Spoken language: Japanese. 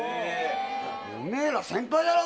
おめえら先輩だろ！